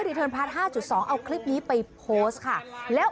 ถ้าเป็นใครเช่นไอ้ผมไม่ได้บัวข่าว